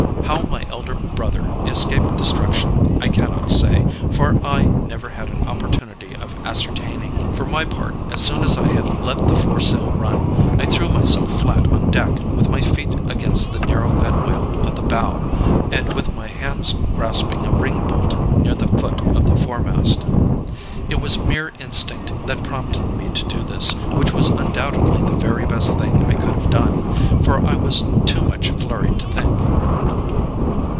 How my elder brother escaped destruction I cannot say, for I never had an opportunity of ascertaining. For my part, as soon as I had let the foresail run, I threw myself flat on deck, with my feet against the narrow gunwale of the bow, and with my hands grasping a ring bolt near the foot of the foremast. "It was mere instinct that prompted me to do this, which was undoubtedly the very best thing I could have done; for I was too much flurried to think.